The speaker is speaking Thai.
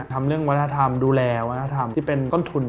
ทำเรื่องวัฒนธรรมดูแลวัฒนธรรมที่เป็นต้นทุน